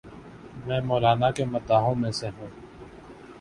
میں مولانا کے مداحوں میں سے ہوں۔